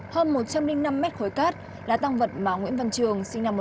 hôm một trăm linh năm m khối cát là tăng vật mà nguyễn văn trường sinh năm một nghìn chín trăm chín mươi sáu